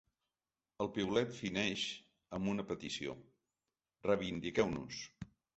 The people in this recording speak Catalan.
El piulet fineix amb una petició: ‘Reivindiqueu-nos’.